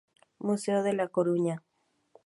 Museo de La Coruña.